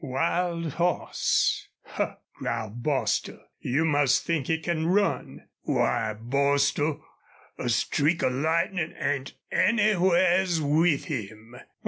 "Wild hoss? ... Huh!" growled Bostil. "You must think he can run." "Why, Bostil, a streak of lightnin' ain't anywheres with him."